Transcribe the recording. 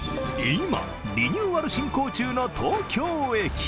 今、リニューアル進行中の東京駅。